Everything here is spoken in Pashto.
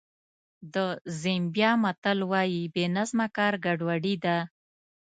د زیمبیا متل وایي بې نظمه کار ګډوډي ده.